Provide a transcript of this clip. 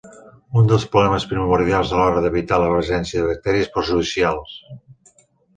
Un dels problemes primordials a l'hora d'evitar la presència de bacteris perjudicials.